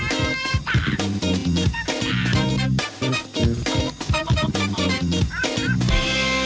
คร่อนเวลา